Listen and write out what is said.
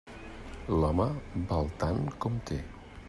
L'home val tant com té.